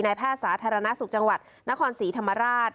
แพทย์สาธารณสุขจังหวัดนครศรีธรรมราช